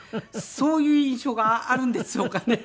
そういう印象があるんでしょうかね？